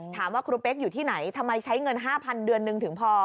ถามว่าครูเป๊กอยู่ที่ไหนทำไมใช้เงิน๕๐๐เดือนนึงถึงพอ